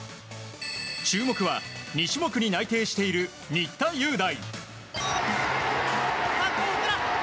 注目は２種目に内定している新田祐大。